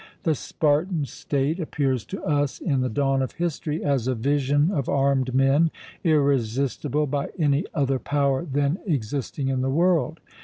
The Spartan state appears to us in the dawn of history as a vision of armed men, irresistible by any other power then existing in the world.